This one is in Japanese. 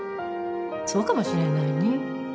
そうかもしれないね